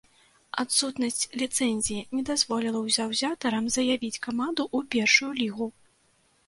Адсутнасць ліцэнзіі не дазволіла заўзятарам заявіць каманду ў першую лігу.